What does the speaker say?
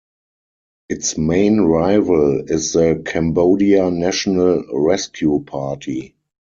Its main rival is the Cambodia National Rescue Party.